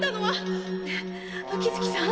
ねえ秋月さん？